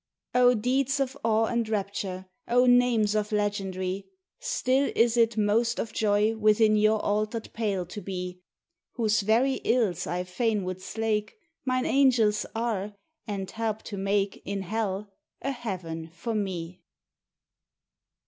O deeds of awe and rapture! O names of legendry! Still is it most of joy within your altered pale to be, Whose very ills I fain would slake, Mine angels are, and help to make In hell, a heaven for me.